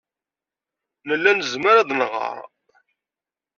Nella nezmer ad nɣer.